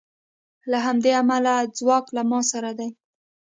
له همدې امله ځواک له ما سره دی